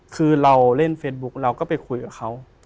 คือเราเล่นเฟซบุ๊กเราก็ไปคุยกับเขา